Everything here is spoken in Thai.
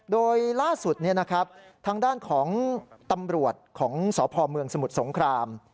โดยล่าสุดทางด้านของตำรวจของสพเมืองสมุทรสงคราม